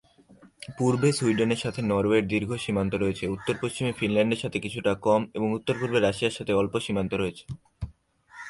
পূর্বে সুইডেনের সাথে নরওয়ের দীর্ঘ সীমান্ত রয়েছে, উত্তর পশ্চিমে ফিনল্যান্ডের সাথে কিছুটা কম এবং উত্তর-পূর্বে রাশিয়ার সাথে অল্প সীমান্ত রয়েছে।